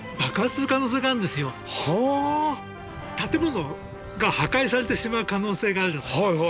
建物が破壊されてしまう可能性があるじゃないですか。